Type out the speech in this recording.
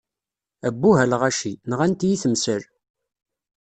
Abbuh a lɣaci, nɣant-iyi temsal.